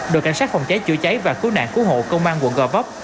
đội cảnh sát phòng cháy chữa cháy và cứu nạn cứu hộ công an quận gò vấp